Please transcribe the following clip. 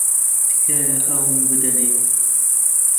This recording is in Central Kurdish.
تکایە ئاوم بدەنێ.